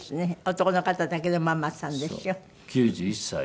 男の方だけど「ママさん」ですよ。